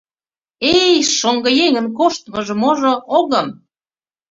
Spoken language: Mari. Эй, шоҥгыеҥын коштмыжо-можо, огым.